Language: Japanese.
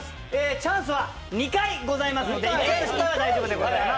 チャンスは２回ございますので１回の失敗は大丈夫でございます。